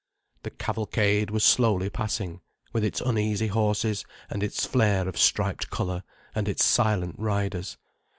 The cavalcade was slowly passing, with its uneasy horses and its flare of striped colour and its silent riders.